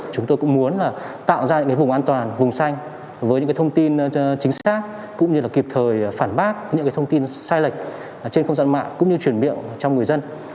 chúng tôi cũng muốn tạo ra những vùng an toàn vùng xanh với những thông tin chính xác cũng như là kịp thời phản bác những thông tin sai lệch trên không gian mạng cũng như truyền miệng trong người dân